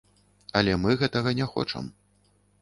Але мы гэтага не хочам.